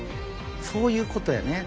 そういうことやね。